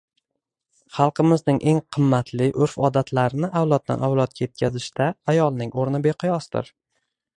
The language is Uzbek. xalqimizning eng qimmatli urf-odatlarini avloddan-avlodga yetkazishda ayolning o’rni beqiyosdir